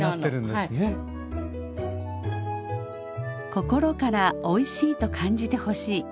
心からおいしいと感じてほしい。